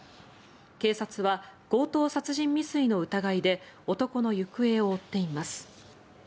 警察は強盗殺人未遂の疑いで男の行方を追っています。